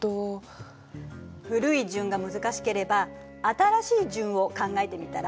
古い順が難しければ新しい順を考えてみたら？